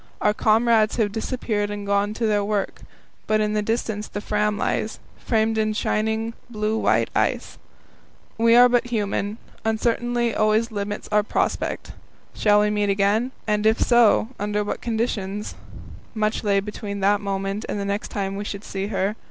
Our comrades have disappeared and gone to their work, but in the distance the Fram lies, framed in shining, blue white ice. We are but human; uncertainty always limits our prospect. Shall we meet again? And if so, under what conditions? Much lay between that moment and the next time we should see her.